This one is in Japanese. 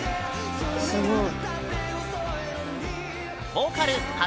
すごい。